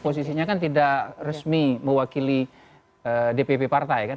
posisinya kan tidak resmi mewakili dpp partai kan